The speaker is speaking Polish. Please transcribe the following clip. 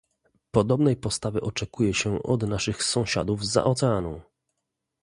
Podobnej postawy oczekuje się od naszych sąsiadów zza oceanu